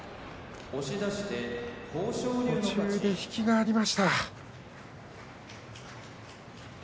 途中で引きがありました。